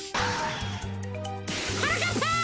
はなかっぱ！